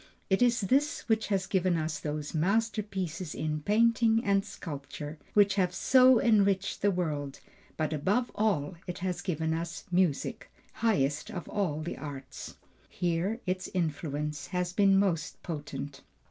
It is this which has given us those masterpieces in painting and sculpture, which have so enriched the world; but above all it has given us music, highest of all the arts. Here its influence has been most potent.